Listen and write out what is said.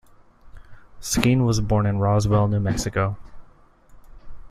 Skeen was born in Roswell, New Mexico.